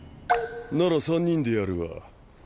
なら三人でやるわ。